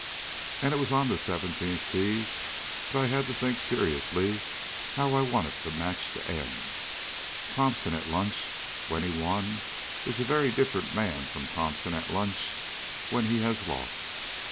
And it was on the seventeenth tee that I had to think seriously how I wanted the match to end. Thomson at lunch when he has won is a very different man from Thomson at lunch when he has lost.